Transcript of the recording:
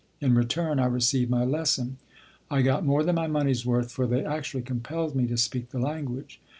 In return I received my lesson. I got more than my money's worth, for they actually compelled me to speak the language.